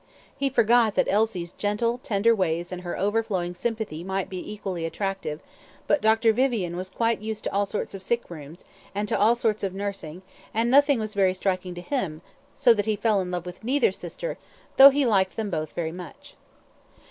He forgot that Elsie's gentle tender ways and her overflowing sympathy might be equally attractive, but Dr. Vivian was quite used to all sorts of sick rooms, and to all sorts of nursing, and nothing was very striking to him, so that he fell in love with neither sister, though he liked them both very much.